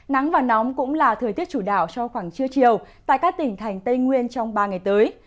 nắng và nóng cũng là thời tiết chủ đạo cho khoảng trưa chiều tại các tỉnh thành tây nguyên trong ba ngày tới